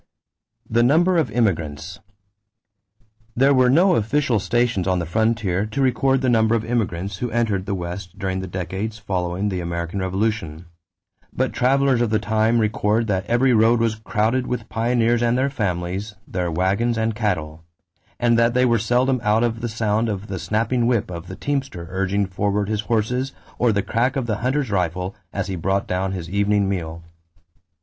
=The Number of Immigrants.= There were no official stations on the frontier to record the number of immigrants who entered the West during the decades following the American Revolution. But travelers of the time record that every road was "crowded" with pioneers and their families, their wagons and cattle; and that they were seldom out of the sound of the snapping whip of the teamster urging forward his horses or the crack of the hunter's rifle as he brought down his evening meal.